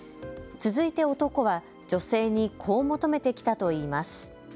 続いて男は女性にこう求めてきたといいます。